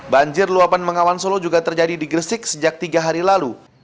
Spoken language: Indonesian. banjir luapan mengawan solo juga terjadi di gresik sejak tiga hari lalu